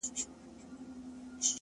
زړه په پیوند دی؛